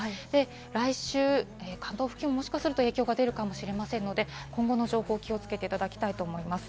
来週、関東付近ももしかすると影響が出るかもしれませんので、今後の情報を気をつけていただきたいと思います。